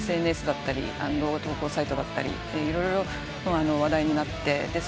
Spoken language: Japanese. ＳＮＳだったり動画投稿サイトだったり色々話題になって。